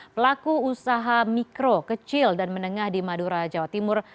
pelaku usaha mikro kecil dan menengah di madura jawa timur